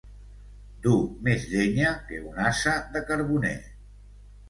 Dur més llenya que un ase de carboner.